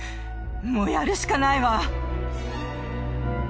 もうやるしかないわ。